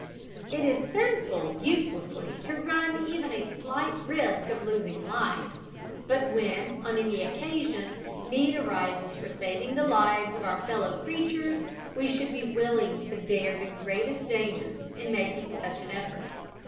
It is sinful uselessly to run even a slight risk of losing life; but when, on any occasion, need arises for saving the lives of our fellow creatures, we should be willing to dare the greatest dangers in making such an effort.